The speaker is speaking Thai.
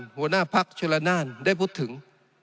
หัวหน้าพักชลนานได้พูดถึง